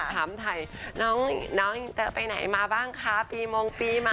ถามถ่ายน้องอินเตอร์ไปไหนมาบ้างคะปีมงปีมา